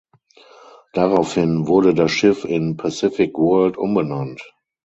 Daraufhin wurde das Schiff in "Pacific World" umbenannt.